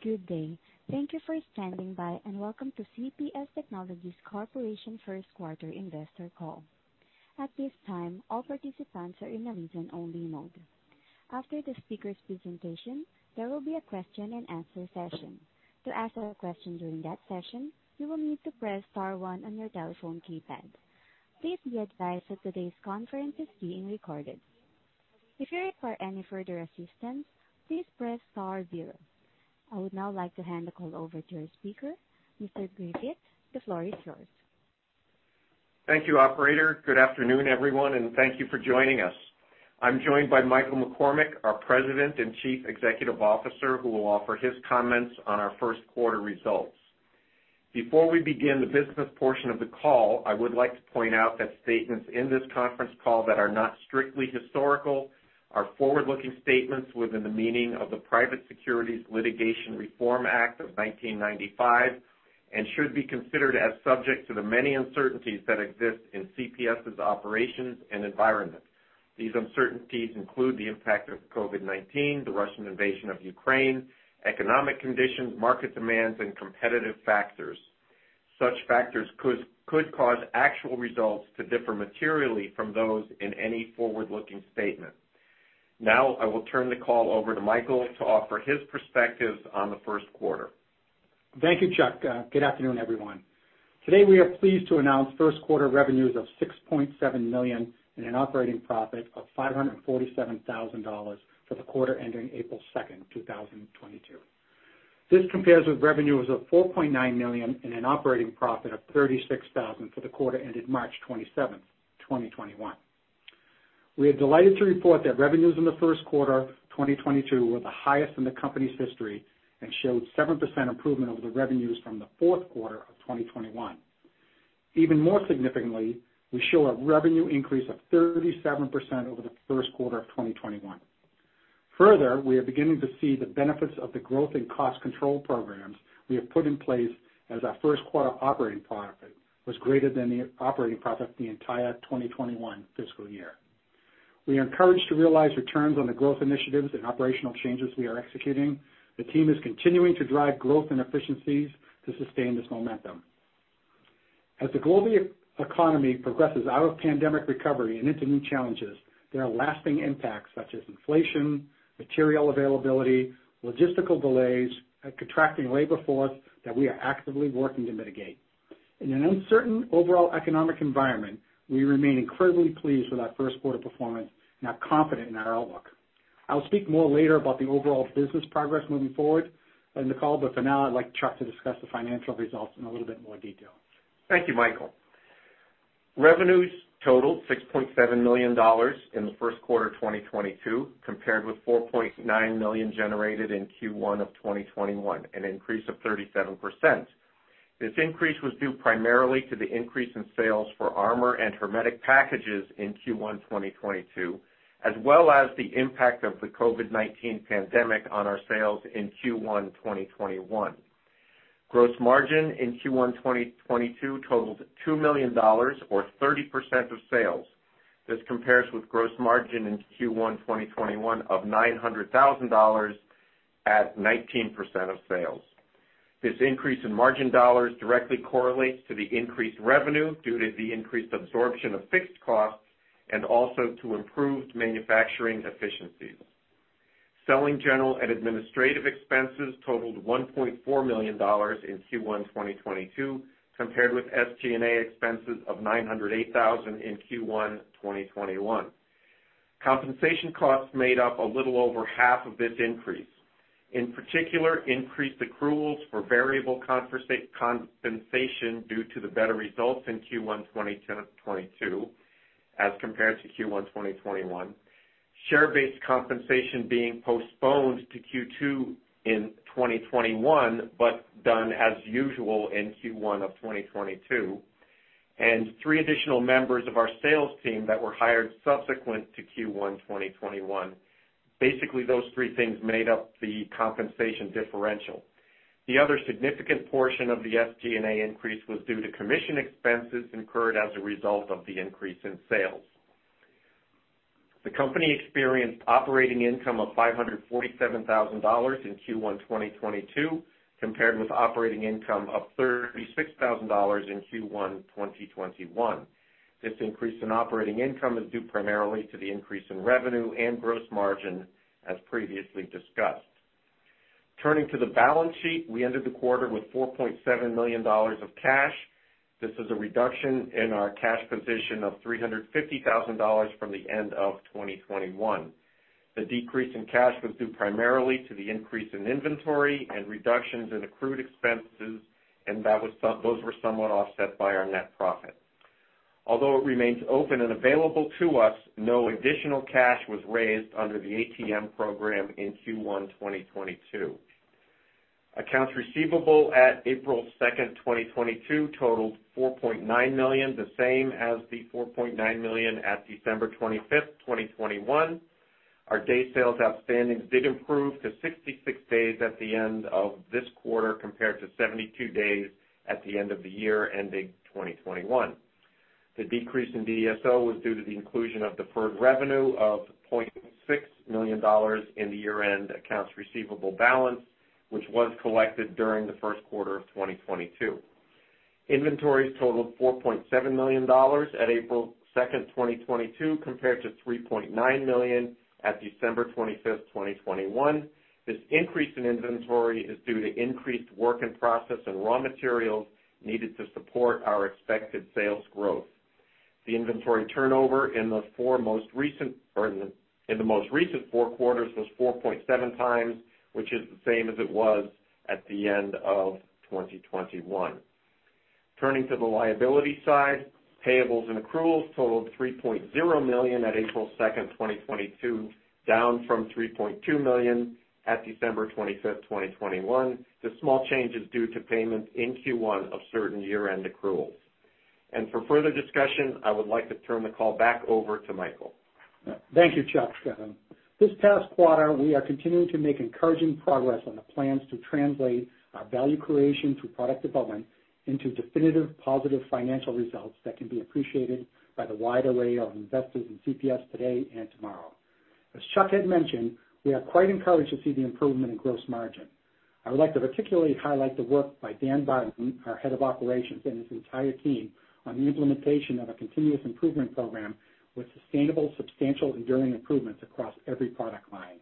Good day. Thank you for standing by, and welcome to CPS Technologies Corporation first quarter investor call. At this time, all participants are in a listen-only mode. After the speaker's presentation, there will be a question and answer session. To ask a question during that session, you will need to press star one on your telephone keypad. Please be advised that today's conference is being recorded. If you require any further assistance, please press star zero. I would now like to hand the call over to our speaker, Mr. Chuck Griffith. The floor is yours. Thank you operator. Good afternoon everyone, and thank you for joining us. I'm joined by Michael McCormack, our President and Chief Executive Officer, who will offer his comments on our first quarter results. Before we begin the business portion of the call, I would like to point out that statements in this conference call that are not strictly historical are forward-looking statements within the meaning of the Private Securities Litigation Reform Act of 1995, and should be considered as subject to the many uncertainties that exist in CPS's operations and environment. These uncertainties include the impact of COVID-19, the Russian invasion of Ukraine, economic conditions, market demands, and competitive factors. Such factors could cause actual results to differ materially from those in any forward-looking statement. Now, I will turn the call over to Michael to offer his perspectives on the first quarter. Thank you Chuck. Good afternoon everyone. Today, we are pleased to announce first quarter revenues of $6.7 million and an operating profit of $547,000 for the quarter ending April 2, 2022. This compares with revenues of $4.9 million and an operating profit of $36,000 for the quarter ended March 27, 2021. We are delighted to report that revenues in the first quarter 2022 were the highest in the company's history and showed 7% improvement over the revenues from the fourth quarter of 2021. Even more significantly, we show a revenue increase of 37% over the first quarter of 2021. Further, we are beginning to see the benefits of the growth and cost control programs we have put in place as our first quarter operating profit was greater than the operating profit the entire 2021 fiscal year. We are encouraged to realize returns on the growth initiatives and operational changes we are executing. The team is continuing to drive growth and efficiencies to sustain this momentum. As the global e-economy progresses out of pandemic recovery and into new challenges, there are lasting impacts such as inflation, material availability, logistical delays, a contracting labor force that we are actively working to mitigate. In an uncertain overall economic environment, we remain incredibly pleased with our first quarter performance and are confident in our outlook. I'll speak more later about the overall business progress moving forward in the call but for now, I'd like Chuck to discuss the financial results in a little bit more detail. Thank you Michael. Revenues totaled $6.7 million in the first quarter of 2022, compared with $4.9 million generated in Q1 of 2021, an increase of 37%. This increase was due primarily to the increase in sales for armor and hermetic packages in Q1 2022, as well as the impact of the COVID-19 pandemic on our sales in Q1 2021. Gross margin in Q1 2022 totaled $2 million or 30% of sales. This compares with gross margin in Q1 2021 of $900,000 at 19% of sales. This increase in margin dollars directly correlates to the increased revenue due to the increased absorption of fixed costs and also to improved manufacturing efficiencies. Selling, general, and administrative expenses totaled $1.4 million in Q1 2022, compared with SG&A expenses of $908,000 in Q1 2021. Compensation costs made up a little over half of this increase. In particular, increased accruals for variable compensation due to the better results in Q1 2022, as compared to Q1 2021. Share-based compensation being postponed to Q2 in 2021, but done as usual in Q1 of 2022, and three additional members of our sales team that were hired subsequent to Q1 2021. Basically, those three things made up the compensation differential. The other significant portion of the SG&A increase was due to commission expenses incurred as a result of the increase in sales. The company experienced operating income of $547,000 in Q1 2022, compared with operating income of $36,000 in Q1 2021. This increase in operating income is due primarily to the increase in revenue and gross margin, as previously discussed. Turning to the balance sheet, we ended the quarter with $4.7 million of cash. This is a reduction in our cash position of $350,000 from the end of 2021. The decrease in cash was due primarily to the increase in inventory and reductions in accrued expenses, those were somewhat offset by our net profit. Although it remains open and available to us, no additional cash was raised under the ATM program in Q1 2022. Accounts receivable at April 2, 2022 totaled $4.9 million, the same as the $4.9 million at December 25, 2021. Our day sales outstanding did improve to 66 days at the end of this quarter, compared to 72 days at the end of the year ending 2021. The decrease in DSO was due to the inclusion of deferred revenue of $0.6 million in the year-end accounts receivable balance, which was collected during the first quarter of 2022. Inventories totaled $4.7 million at April 2, 2022 compared to $3.9 million at December 25, 2021. This increase in inventory is due to increased work in process and raw materials needed to support our expected sales growth. The inventory turnover in the most recent four quarters was 4.7 times, which is the same as it was at the end of 2021. Turning to the liability side, payables and accruals totaled $3.0 million at April 2, 2022, down from $3.2 million at December 25th, 2021. The small change is due to payments in Q1 of certain year-end accruals. For further discussion, I would like to turn the call back over to Michael. Thank you Chuck. This past quarter, we are continuing to make encouraging progress on the plans to translate our value creation through product development into definitive positive financial results that can be appreciated by the wide array of investors in CPS today and tomorrow. As Chuck had mentioned, we are quite encouraged to see the improvement in gross margin. I would like to particularly highlight the work by Dan Barton, our Head of Operations, and his entire team on the implementation of a continuous improvement program with sustainable, substantial, enduring improvements across every product line.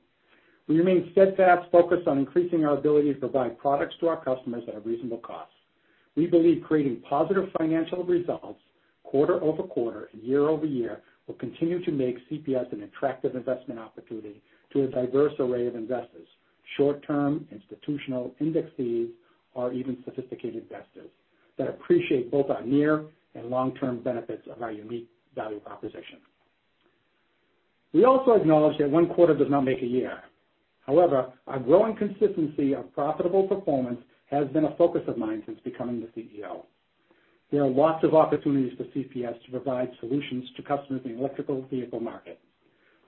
We remain steadfast focused on increasing our ability to provide products to our customers at a reasonable cost. We believe creating positive financial results quarter over quarter and year over year will continue to make CPS an attractive investment opportunity to a diverse array of investors, short-term, institutional, index funds, or even sophisticated investors that appreciate both our near and long-term benefits of our unique value proposition. We also acknowledge that one quarter does not make a year. However, our growing consistency of profitable performance has been a focus of mine since becoming the CEO. There are lots of opportunities for CPS to provide solutions to customers in the electric vehicle market.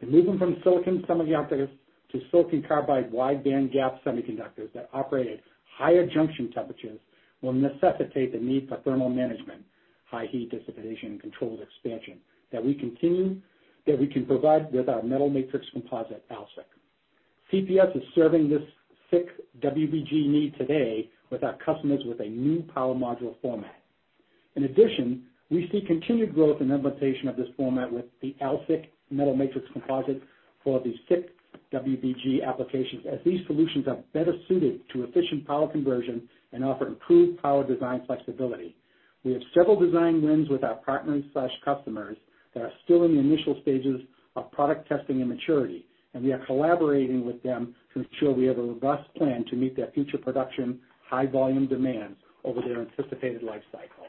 The movement from silicon semiconductors to silicon carbide wide bandgap semiconductors that operate at higher junction temperatures will necessitate the need for thermal management, high heat dissipation, and controlled expansion that we can provide with our metal matrix composite AlSiC. CPS is serving this SiC WBG need today with our customers with a new power module format. In addition, we see continued growth and implementation of this format with the AlSiC metal matrix composite for the SiC WBG applications, as these solutions are better suited to efficient power conversion and offer improved power design flexibility. We have several design wins with our partners/customers that are still in the initial stages of product testing and maturity, and we are collaborating with them to ensure we have a robust plan to meet their future production high volume demands over their anticipated life cycle.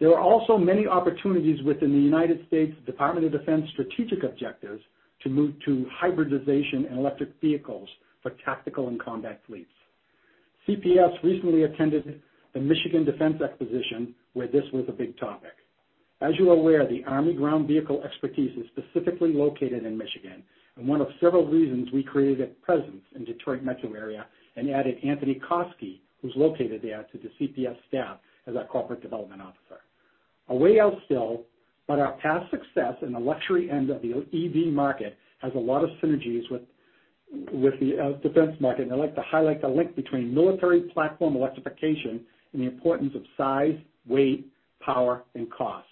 There are also many opportunities within the United States Department of Defense strategic objectives to move to hybridization and electric vehicles for tactical and combat fleets. CPS recently attended the Michigan Defense Exposition where this was a big topic. As you are aware, the U.S. Army ground vehicle expertise is specifically located in Michigan, and one of several reasons we created a presence in Detroit metro area and added Anthony Koski, who's located there, to the CPS staff as our corporate development officer. Anyway, still, our past success in the luxury end of the EV market has a lot of synergies with the defense market. I'd like to highlight the link between military platform electrification and the importance of size, weight, power, and cost,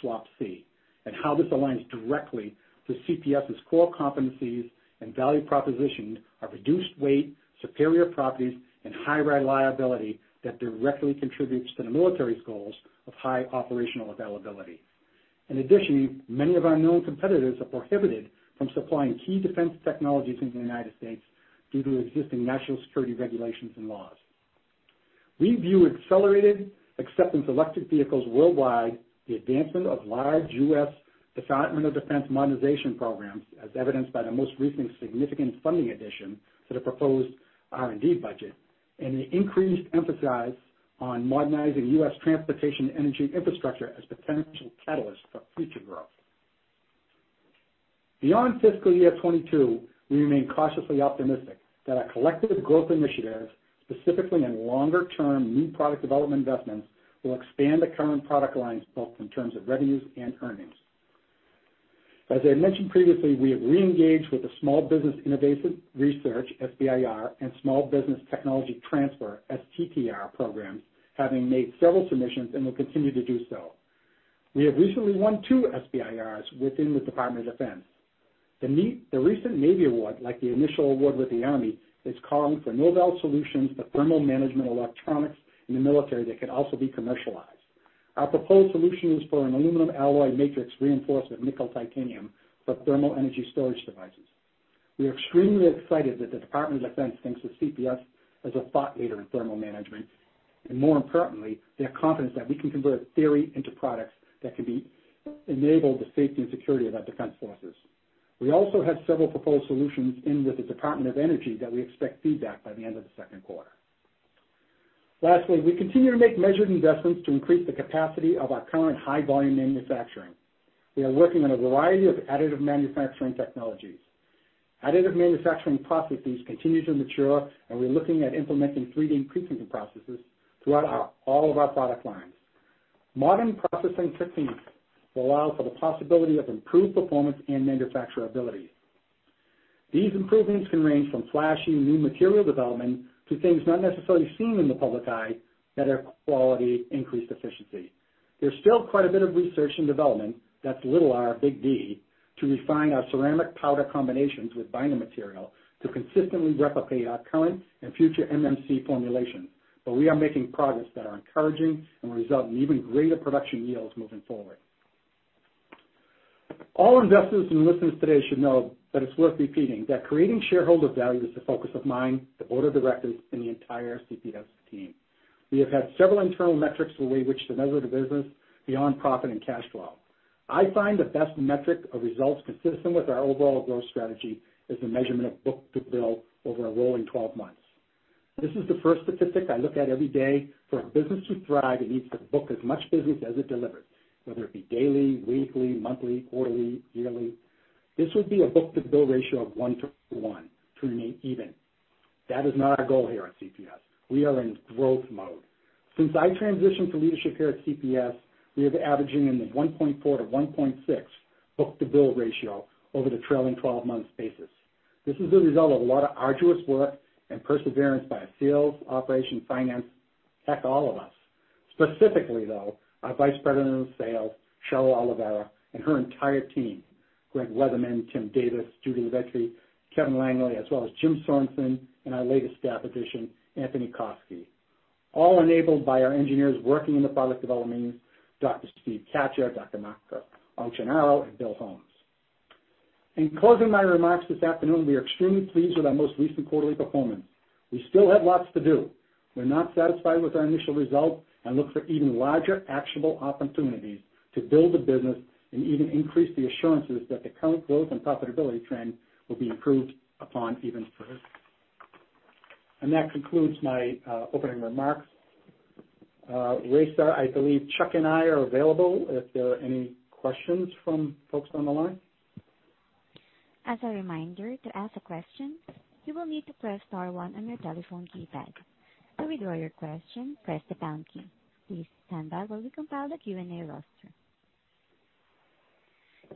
SWaP-C, and how this aligns directly to CPS' core competencies and value proposition of reduced weight, superior properties, and high reliability that directly contributes to the military's goals of high operational availability. In addition, many of our known competitors are prohibited from supplying key defense technologies in the United States due to existing national security regulations and laws. We view accelerated acceptance of electric vehicles worldwide, the advancement of large U.S. Department of Defense modernization programs, as evidenced by the most recent significant funding addition to the proposed R&D budget, and the increased emphasis on modernizing U.S. transportation energy infrastructure as potential catalysts for future growth. Beyond fiscal year 2022, we remain cautiously optimistic that our collective growth initiatives, specifically in longer-term new product development investments, will expand the current product lines both in terms of revenues and earnings. As I had mentioned previously, we have re-engaged with the Small Business Innovation Research, SBIR, and Small Business Technology Transfer, STTR, programs, having made several submissions and will continue to do so. We have recently won two SBIRs within the Department of Defense. The recent Navy award, like the initial award with the Army, is calling for novel solutions to thermal management electronics in the military that can also be commercialized. Our proposed solution is for an aluminum alloy matrix reinforced with nickel titanium for thermal energy storage devices. We are extremely excited that the Department of Defense thinks of CPS as a thought leader in thermal management, and more importantly, they are confident that we can convert theory into products that can be enabled the safety and security of our defense forces. We also have several proposed solutions in with the Department of Energy that we expect feedback by the end of the second quarter. Lastly, we continue to make measured investments to increase the capacity of our current high volume manufacturing. We are working on a variety of additive manufacturing technologies. Additive manufacturing processes continue to mature, and we're looking at implementing 3D printing processes throughout all of our product lines. Modern processing techniques will allow for the possibility of improved performance and manufacturability. These improvements can range from flashy new material development to things not necessarily seen in the public eye that are quality, increased efficiency. There's still quite a bit of research and development, that's little R, big D, to refine our ceramic powder combinations with binder material to consistently replicate our current and future MMC formulation. We are making progress that are encouraging and will result in even greater production yields moving forward. All investors and listeners today should know that it's worth repeating that creating shareholder value is the focus of mine, the board of directors, and the entire CPS team. We have had several internal metrics with which to measure the business beyond profit and cash flow. I find the best metric of results consistent with our overall growth strategy is the measurement of book-to-bill over a rolling 12 months. This is the first statistic I look at every day. For a business to thrive, it needs to book as much business as it delivers, whether it be daily, weekly, monthly, quarterly, yearly. This would be a book-to-bill ratio of 1x1 to remain even. That is not our goal here at CPS. We are in growth mode. Since I transitioned to leadership here at CPS, we are averaging in the 1.4x1.6 book-to-bill ratio over the trailing 12 months basis. This is a result of a lot of arduous work and perseverance by sales, operations, finance, heck, all of us. Specifically, though, our Vice President of Sales, Cheryl Oliveira, and her entire team, Gregg Weatherman, Timothy Davis, Judy Vetri, Kevin Langley, as well as Jim Sorenson and our latest staff addition, Anthony Koski, all enabled by our engineers working in the product development, Dr. Stephen Kachur, Dr. Mark Occhionero, and William Holmes. In closing my remarks this afternoon, we are extremely pleased with our most recent quarterly performance. We still have lots to do. We're not satisfied with our initial results and look for even larger, actionable opportunities to build the business and even increase the assurances that the current growth and profitability trend will be improved upon even further. That concludes my opening remarks. Raissa, I believe Chuck and I are available if there are any questions from folks on the line. As a reminder, to ask a question you will need to press star one on your telephone keypad. To withdraw your question, press the pound key. Please stand by while we compile the Q&A roster.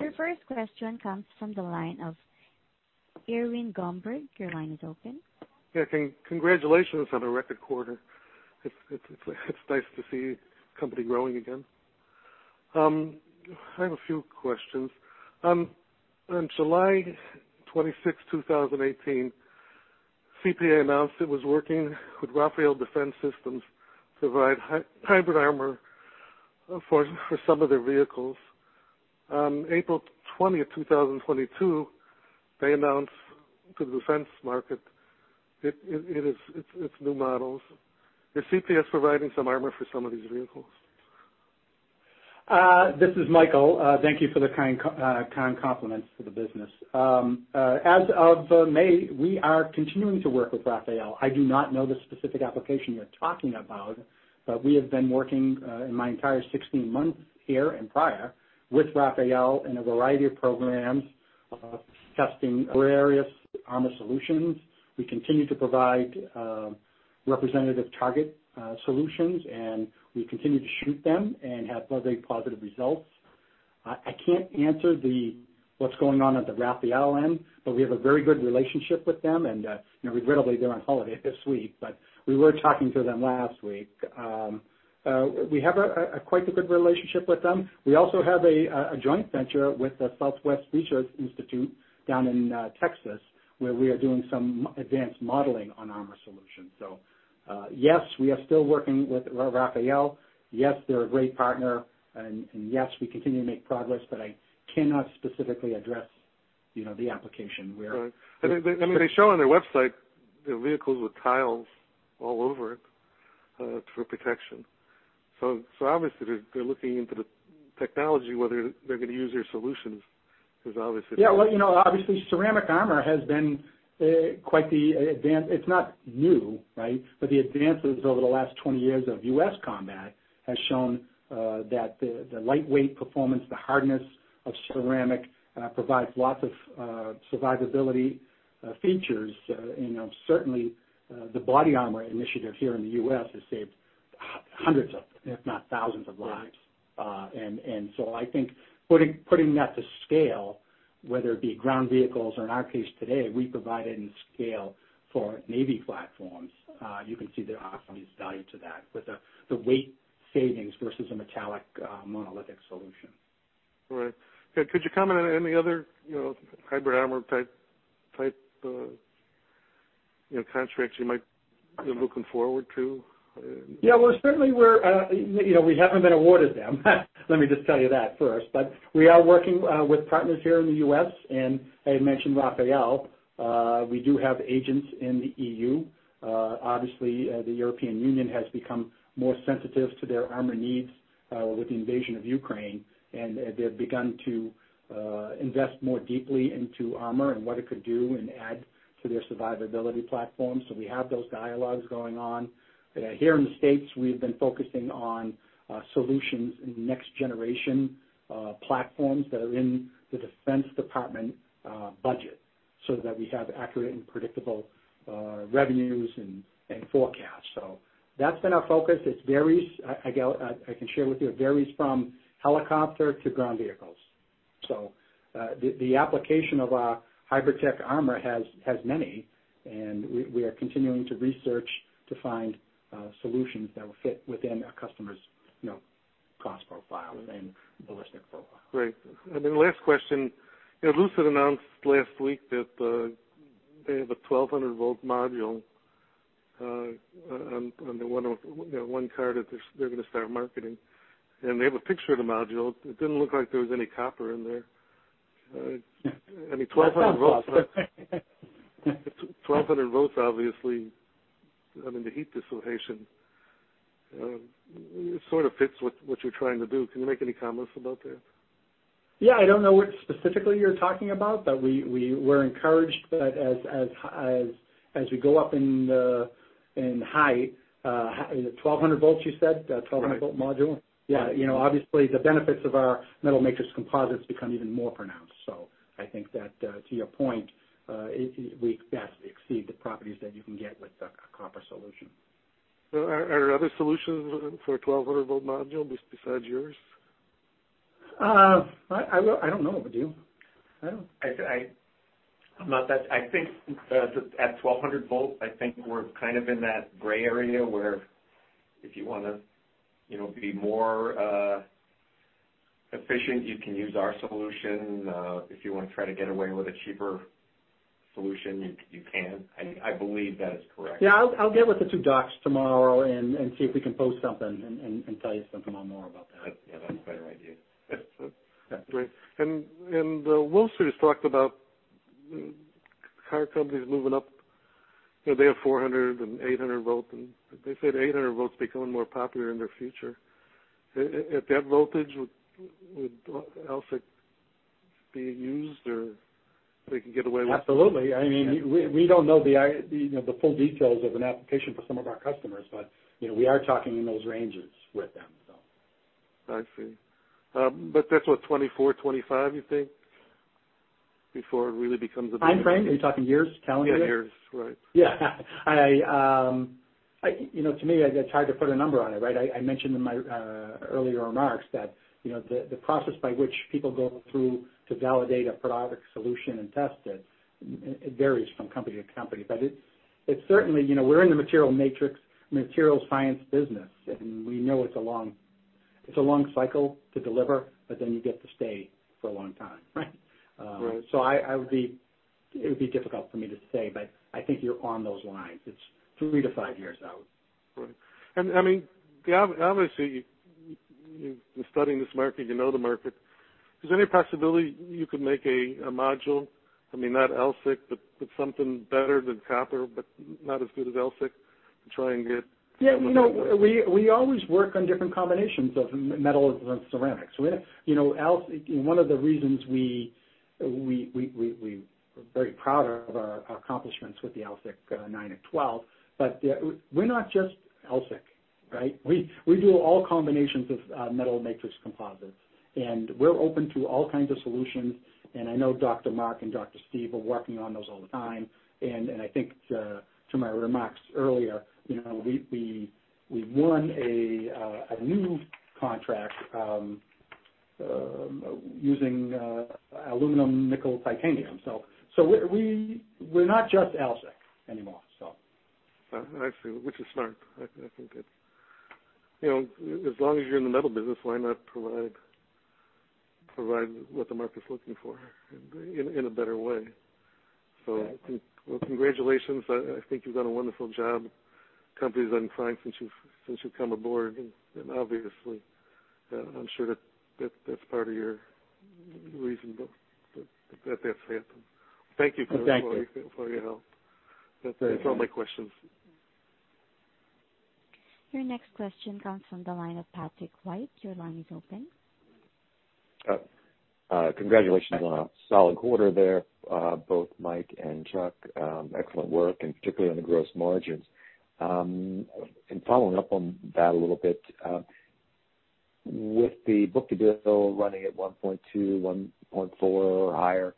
Your first question comes from the line of Irwin Gomberg. Your line is open. Yeah. Congratulations on a record quarter. It's nice to see company growing again. I have a few questions. On July 26, 2018, CPS announced it was working with Rafael Advanced Defense Systems to provide hybrid armor for some of their vehicles. On April 20th, 2022, they announced to the defense market its new models. Is CPS providing some armor for some of these vehicles? This is Michael. Thank you for the kind compliments for the business. As of May, we are continuing to work with Rafael. I do not know the specific application you're talking about, but we have been working in my entire 16 months here and prior with Rafael in a variety of programs, testing various armor solutions. We continue to provide representative target solutions, and we continue to shoot them and have very positive results. I can't answer what's going on at the Rafael end, but we have a very good relationship with them. You know, regrettably, they're on holiday this week, but we were talking to them last week. We have a quite good relationship with them. We also have a joint venture with the Southwest Research Institute down in Texas, where we are doing some advanced modeling on armor solutions. Yes, we are still working with Rafael. Yes, they're a great partner. Yes, we continue to make progress, but I cannot specifically address, you know, the application where. Right. I mean, they show on their website the vehicles with tiles all over it for protection. So obviously they're looking into the technology, whether they're gonna use your solutions, because obviously. Yeah. Well you know, obviously ceramic armor has been. It's not new, right? The advances over the last 20 years of U.S. combat has shown that the lightweight performance, the hardness of ceramic provides lots of survivability features. You know, certainly the body armor initiative here in the U.S. has saved hundreds, if not thousands of lives. Right. I think putting that to scale, whether it be ground vehicles or in our case today, we provide it in scale for Navy platforms. You can see the obvious value to that with the weight savings versus a metallic monolithic solution. Right. Yeah. Could you comment on any other, you know, HybridTech Armor type, you know, contracts you might be looking forward to? Yeah. Well certainly we're you know, we haven't been awarded them. Let me just tell you that first. We are working with partners here in the U.S., and I mentioned Rafael. We do have agents in the EU. Obviously, the European Union has become more sensitive to their armor needs with the invasion of Ukraine, and they've begun to invest more deeply into armor and what it could do and add to their survivability platform. We have those dialogues going on. Here in the States, we've been focusing on solutions in next generation platforms that are in the Defense Department budget so that we have accurate and predictable revenues and forecasts. That's been our focus. It varies. I can share with you, it varies from helicopter to ground vehicles. The application of our HybridTech Armor has many, and we are continuing to research to find solutions that will fit within our customers' cost profile and ballistic profile. Great. Last question, you know, Lucid announced last week that they have a 1200-volt module on one car that they're gonna start marketing. They have a picture of the module. It didn't look like there was any copper in there. I mean, 1200 volts obviously, I mean, the heat dissipation, it sort of fits what you're trying to do. Can you make any comments about that? Yeah. I don't know what specifically you're talking about, but we're encouraged that as we go up in height is it 1,200 volts you said? Right. 1200 volt module? Yeah. You know, obviously the benefits of our metal matrix composites become even more pronounced. I think that, to your point, it—we yes, exceed the properties that you can get with a copper solution. Are there other solutions for a 1200 volt module besides yours? I don't know. Do you? I don't. I think at 1,200 volts, I think we're kind of in that gray area where if you wanna, you know, be more efficient, you can use our solution. If you wanna try to get away with a cheaper solution, you can. I believe that is correct. Yeah. I'll get with the two docs tomorrow and see if we can post something and tell you something a little more about that. Yeah, that's a better idea. Yeah. Great. Wolfspeed's talked about car companies moving up. You know, they have 400- and 800-volt, and they said 800-volt's becoming more popular in their future. At that voltage, would AlSiC be used or they can get away with- Absolutely. I mean, we don't know the full details of an application for some of our customers, but, you know, we are talking in those ranges with them, so. I see. That's what, 2024, 2025, you think, before it really becomes a- Timeframe? Are you talking years, calendar years? Yeah years, right. Yeah. You know to me, it's hard to put a number on it, right? I mentioned in my earlier remarks that, you know, the process by which people go through to validate a product solution and test it varies from company to company. It certainly, you know, we're in the metal matrix, materials science business, and we know it's a long cycle to deliver, but then you get to stay for a long time, right? Right. It would be difficult for me to say, but I think you're on those lines. It's 3-5 years out. Right. I mean obviously, you've been studying this market, you know the market. Is there any possibility you could make a module, I mean, not AlSiC, but something better than copper but not as good as AlSiC to try and get. Yeah. You know, we always work on different combinations of metals and ceramics. One of the reasons we're very proud of our accomplishments with the AlSiC nine and twelve, but we're not just AlSiC, right? We do all combinations of metal matrix composites, and we're open to all kinds of solutions. I know Mark Occhionero and Dr. Steve are working on those all the time. I think to my remarks earlier, you know, we've won a new contract using aluminum nickel titanium. We're not just AlSiC anymore. I see, which is smart. I think it. You know, as long as you're in the metal business, why not provide what the market's looking for in a better way? Yeah. Congratulations. I think you've done a wonderful job. Company's done fine since you've come aboard, and obviously, I'm sure that's part of your reason that that's happened. Thank you. Well, thank you. for your help. Thank you. That's all my questions. Your next question comes from the line of Patrick White. Your line is open. Congratulations on a solid quarter there, both Mike and Chuck. Excellent work, and particularly on the gross margins. Following up on that a little bit, with the book-to-bill running at 1.2, 1.4 or higher,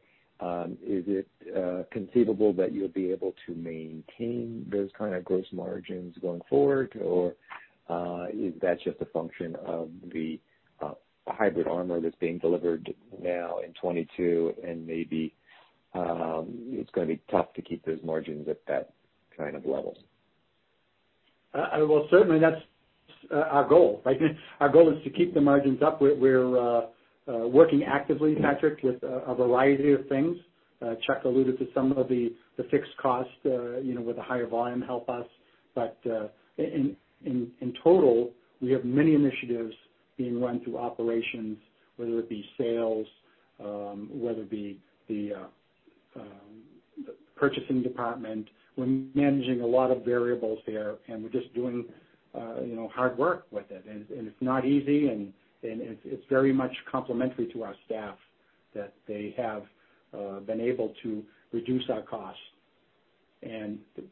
is it conceivable that you'll be able to maintain those kind of gross margins going forward? Or, is that just a function of the HybridTech Armor that's being delivered now in 2022 and maybe, it's gonna be tough to keep those margins at that kind of levels? Well, certainly that's our goal, right? Our goal is to keep the margins up. We're working actively, Patrick, with a variety of things. Chuck alluded to some of the fixed costs, you know, with the higher volume help us. In total, we have many initiatives being run through operations, whether it be sales, whether it be the purchasing department. We're managing a lot of variables here, and we're just doing, you know, hard work with it. It's not easy, and it's very much complementary to our staff that they have been able to reduce our costs.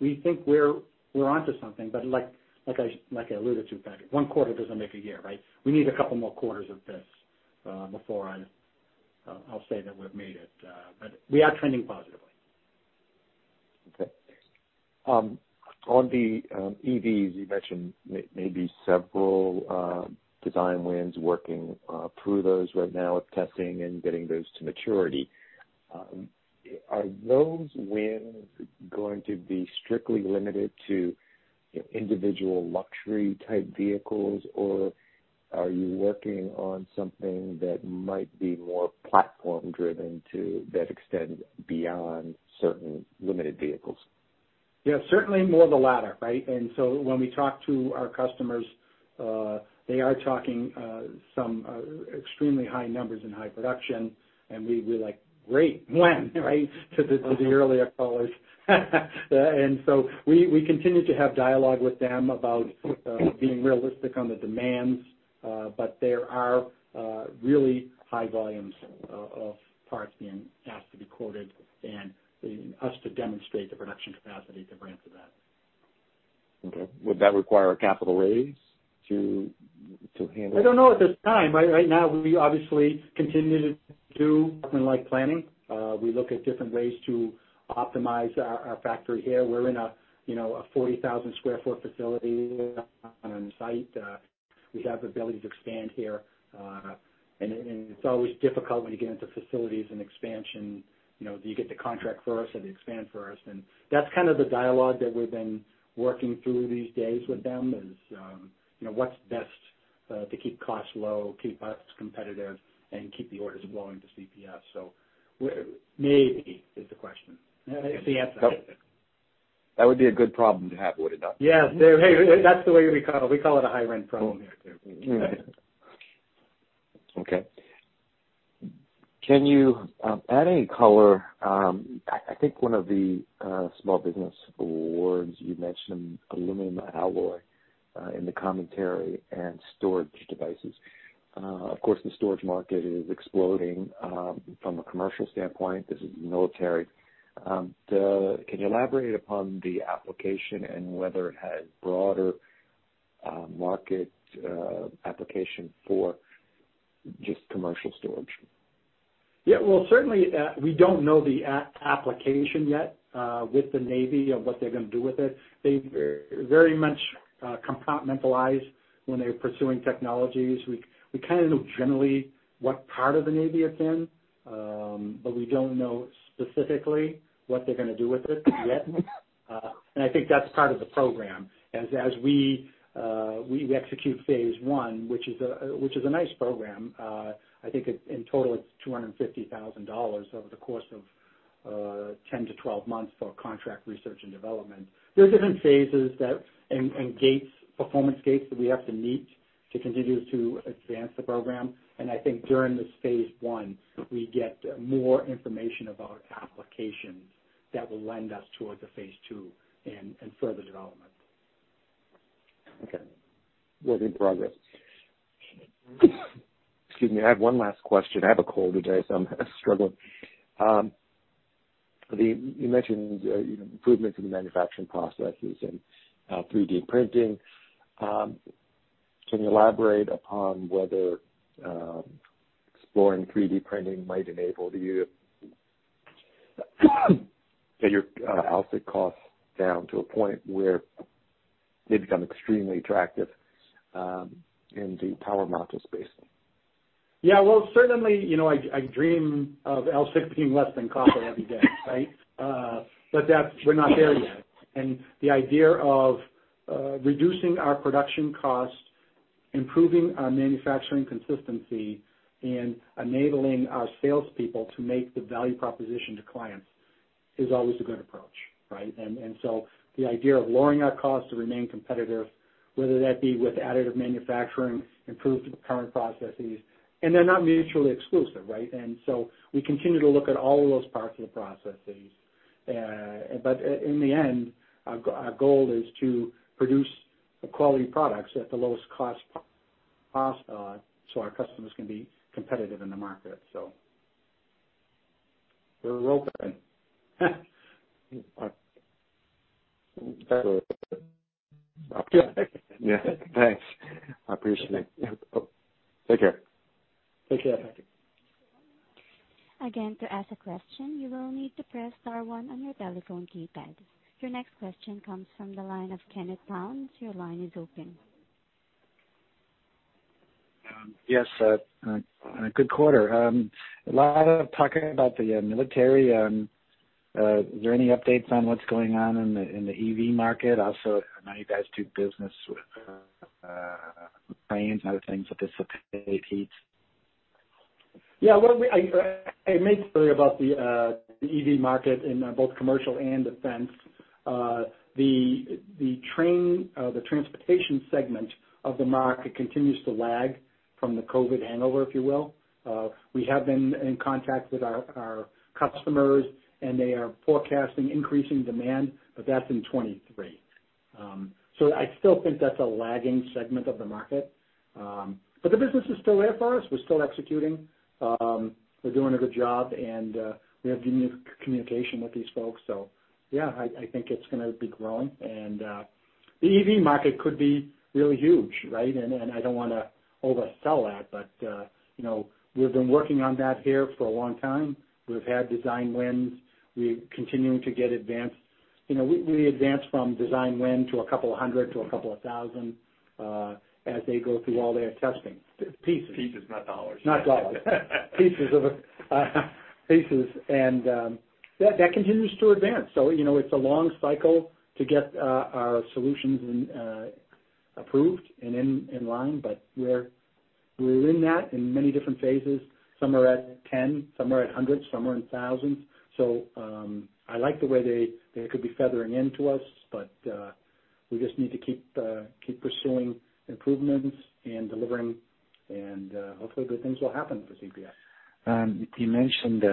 We think we're onto something, but like I alluded to, Patrick, one quarter doesn't make a year, right? We need a couple more quarters of this, before I'll say that we've made it. We are trending positively. Okay. On the EVs, you mentioned maybe several design wins working through those right now with testing and getting those to maturity. Are those wins going to be strictly limited to individual luxury type vehicles, or are you working on something that might be more platform driven to that extent beyond certain limited vehicles? Yeah, certainly more of the latter, right? When we talk to our customers, they are talking some extremely high numbers in high production. We are like, "Great. When?" Right? To the earlier callers. We continue to have dialogue with them about being realistic on the demands. But there are really high volumes of parts being asked to be quoted and us to demonstrate the production capacity to bring to that. Okay. Would that require a capital raise to handle it? I don't know at this time. Right now, we obviously continue to do something like planning. We look at different ways to optimize our factory here. We're in a you know a 40,000 sq ft facility on site. We have the ability to expand here, and it's always difficult when you get into facilities and expansion, you know, do you get the contract first or the expand first? That's kind of the dialogue that we've been working through these days with them is, you know, what's best, to keep costs low, keep us competitive, and keep the orders flowing to CPS. Where maybe is the question. Is the answer. That would be a good problem to have, would it not? Yes. Hey, that's the way we call it. We call it a high rent problem here too. Okay. Can you add any color? I think one of the small business awards you mentioned aluminum alloy in the commentary and storage devices. Of course, the storage market is exploding from a commercial standpoint. This is military. Can you elaborate upon the application and whether it has broader market application for just commercial storage? Yeah. Well certainly, we don't know the application yet with the Navy of what they're gonna do with it. They very much compartmentalize when they're pursuing technologies. We kind of know generally what part of the Navy it's in, but we don't know specifically what they're gonna do with it yet. I think that's part of the program. As we execute phase one, which is a nice program. I think in total it's $250,000 over the course of 10-12 months for contract research and development. There are different phases and performance gates that we have to meet to continue to advance the program. I think during this phase one, we get more information about applications that will lend us towards a phase two and further development. Okay. Work in progress. Excuse me. I have one last question. I have a cold today, so I'm struggling. You mentioned, you know, improvements in the manufacturing processes and 3D printing. Can you elaborate upon whether exploring 3D printing might enable you to get your unit costs down to a point where they become extremely attractive in the power module space? Yeah. Wel certainly, you know, I dream of AlSiC less than copper every day right? That's. We're not there yet. The idea of reducing our production costs, improving our manufacturing consistency, and enabling our salespeople to make the value proposition to clients is always a good approach, right? The idea of lowering our costs to remain competitive, whether that be with additive manufacturing, improved current processes, and they're not mutually exclusive, right? We continue to look at all of those parts of the processes. In the end, our goal is to produce quality products at the lowest cost so our customers can be competitive in the market. We're open. Good. Yeah. Thanks, I appreciate it. Take care. Take care. Thank you. Again, to ask a question, you will need to press star one on your telephone keypad. Your next question comes from the line of Kenneth Pounds. Your line is open. Yes, good quarter. A lot of talking about the military. Is there any updates on what's going on in the EV market? Also, I know you guys do business with planes and other things that dissipate heat. Yeah. Well, I made a story about the EV market in both commercial and defense. The transportation segment of the market continues to lag from the COVID hangover, if you will. We have been in contact with our customers, and they are forecasting increasing demand, but that's in 2023. I still think that's a lagging segment of the market. The business is still there for us. We're still executing. We're doing a good job, and we have good communication with these folks. Yeah, I think it's gonna be growing, and the EV market could be really huge, right? I don't wanna oversell that, but you know, we've been working on that here for a long time. We've had design wins. We're continuing to get advanced. You know, we advance from design win to a couple of hundred to a couple of thousand, as they go through all their testing pieces. Pieces, not dollars. Not dollars. Pieces. That continues to advance. You know, it's a long cycle to get our solutions and approved and in line, but we're in that in many different phases. Some are at 10, some are at hundreds, some are in thousands. I like the way they could be feathering into us, but we just need to keep pursuing improvements and delivering and hopefully good things will happen for CPS. You mentioned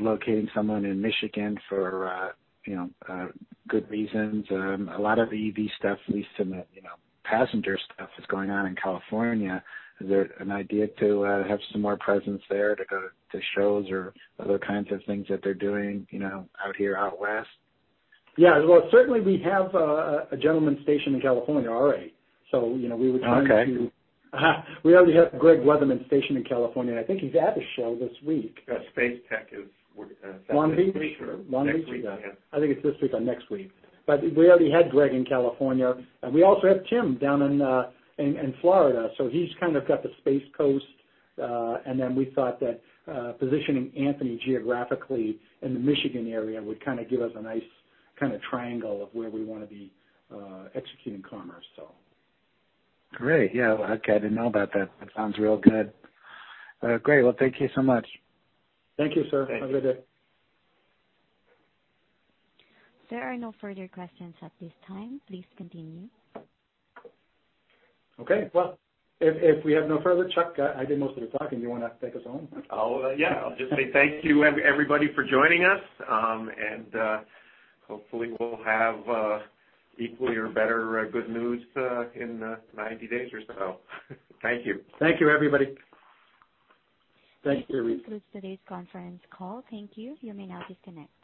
locating someone in Michigan for, you know, good reasons. A lot of EV stuff, at least in the, you know, passenger stuff is going on in California. Is there an idea to have some more presence there to go to shows or other kinds of things that they're doing, you know, out here, out west? Yeah. Well, certainly we have a gentleman stationed in California already. So, you know, we would- Okay. We already have Gregg Weatherman stationed in California. I think he's at a show this week. Yeah, Space Tech is set this week. One week or one week ago. Next week, yeah. I think it's this week or next week. We already had Chuck Griffith in California, and we also have Tim Davis down in Florida. He's kind of got the Space Coast. We thought that positioning Anthony Koski geographically in the Michigan area would kinda give us a nice kinda triangle of where we wanna be executing commerce. Great. Yeah. Okay, I didn't know about that. That sounds real good. Great. Well, thank you so much. Thank you sir. Thanks. Have a good day. There are no further questions at this time. Please continue. Okay. Well, if we have no further Chuck, I did most of the talking. You wanna take us home? I'll just say thank you everybody for joining us, and hopefully we'll have equally or better good news in 90 days or so. Thank you. Thank you, everybody. Thanks, everybody. This concludes today's conference call. Thank you. You may now disconnect.